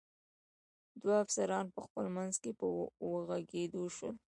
دوه افسران په خپل منځ کې په وږغېدو شول.